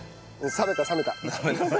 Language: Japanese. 冷めた冷めた。